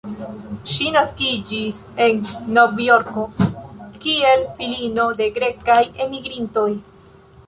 Ŝi naskiĝis en Novjorko, kiel filino de grekaj enmigrintoj.